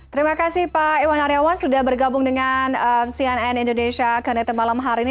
terima kasih pak iwan aryawan sudah bergabung dengan cnn indonesia connected malam hari ini